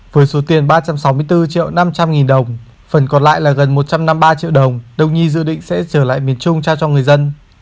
với số tiền ba trăm sáu mươi bốn triệu năm trăm linh nghìn đồng phần còn lại là gần một trăm năm mươi ba triệu đồng đồng nhi dự định sẽ trở lại miền trung trao cho người dân